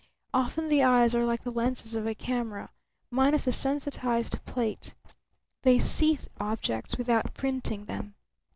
Often the eyes are like the lenses of a camera minus the sensitized plate; they see objects without printing them.